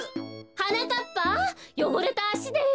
はなかっぱよごれたあしで。